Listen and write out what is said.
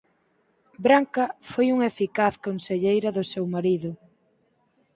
Branca foi unha eficaz conselleira do seu marido.